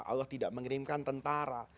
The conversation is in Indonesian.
allah tidak mengirimkan tentara